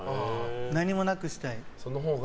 何もなくしたい。